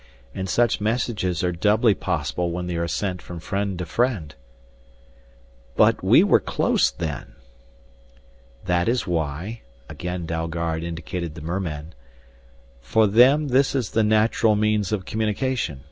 "And such messages are doubly possible when they are sent from friend to friend." "But we were close then." "That is why " again Dalgard indicated the mermen. "For them this is the natural means of communication.